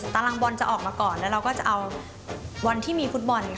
ตารางบอลจะออกมาก่อนแล้วเราก็จะเอาวันที่มีฟุตบอลค่ะ